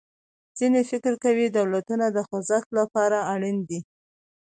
ځینې فکر کوي دولتونه د خوځښت له پاره اړین دي.